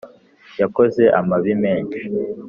yakoze amabi menshi